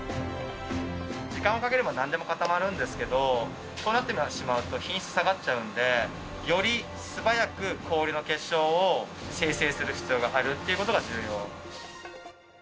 時間をかければなんでも固まるんですけどそうなってしまうと品質下がっちゃうんでより素早く氷の結晶を生成する必要があるってことが重要。